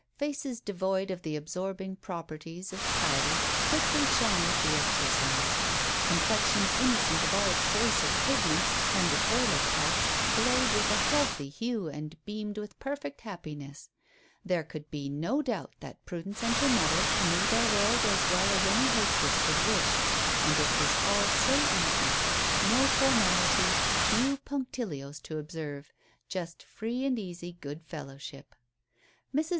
Faces devoid of the absorbing properties of powder quickly shone with the exercise; complexions innocent of all trace of pigments and the toilet arts glowed with a healthy hue and beamed with perfect happiness. There could be no doubt that Prudence and her mother knew their world as well as any hostess could wish. And it was all so easy; no formality, few punctilios to observe just free and easy good fellowship. Mrs.